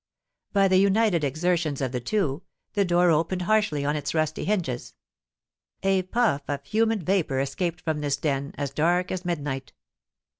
By the united exertions of the two, the door opened harshly on its rusty hinges; a puff of humid vapour escaped from this den, as dark as midnight.